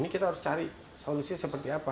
kita harus cari solusi seperti apa